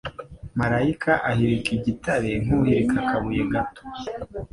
maraika ahirika igitare nk'uhirika akabuye gato,